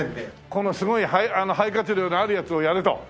このすごい肺活量のあるやつをやれと。